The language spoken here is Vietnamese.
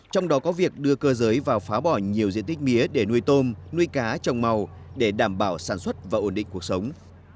trong đó có việc đưa cơ giới vào phá bỏ nhiều diện tích mía để nuôi tôm nuôi cá trồng màu để đảm bảo sản xuất và ổn định cuộc sống